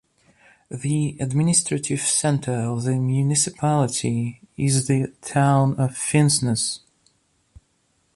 The administrative centre of the municipality is the town of Finnsnes.